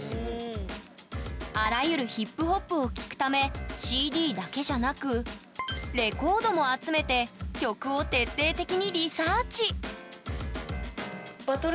あらゆるヒップホップを聴くためＣＤだけじゃなくレコードも集めて曲を徹底的にリサーチ！